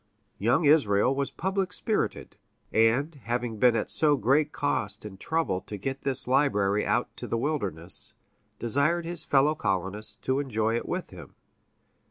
Young Israel was public spirited, and, having been at so great cost and trouble to get this library out to the wilderness, desired his fellow colonists to enjoy it with him.